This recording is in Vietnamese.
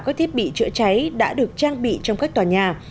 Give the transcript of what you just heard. các thiết bị chữa cháy đã được trang bị trong các tòa nhà